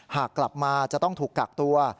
หากกลับมาจะต้องถูกกักตัว